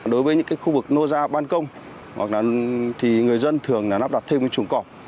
đối với những khu vực nô ra băn công người dân thường nắp đặt thêm trùng cọp